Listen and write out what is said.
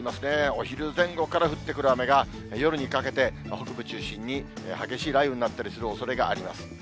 お昼前後から降ってくる雨が、夜にかけて、北部中心に激しい雷雨になったりするおそれがあります。